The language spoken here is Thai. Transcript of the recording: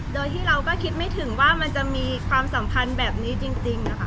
โดยที่เราก็คิดไม่ถึงว่ามันจะมีความสัมพันธ์แบบนี้จริงนะคะ